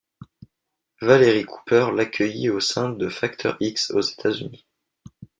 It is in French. Valerie Cooper l'accueillit au sein de Facteur-X aux États-Unis.